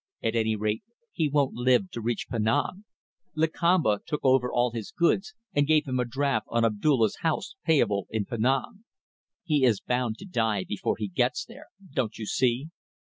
At any rate he won't live to reach Penang. Lakamba took over all his goods, and gave him a draft on Abdulla's house payable in Penang. He is bound to die before he gets there. Don't you see?"